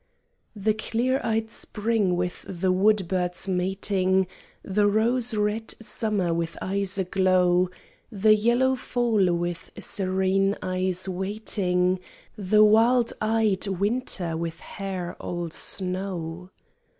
The clear eyed spring with the wood birds mating, The rose red summer with eyes aglow, The yellow fall with serene eyes waiting, The wild eyed winter with hair all snow?